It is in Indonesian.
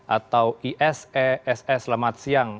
atau isess selamat siang